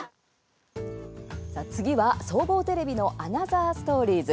次は、総合テレビの「アナザーストーリーズ」。